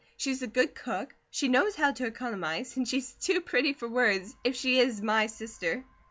She's a good cook, she knows how to economize, and she's too pretty for words, if she IS my sister."